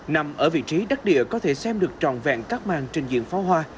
nằm ở vị trí đắc địa có thể xem được tròn vẹn các màng trình diễn pháo hoa